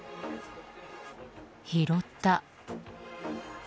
拾った。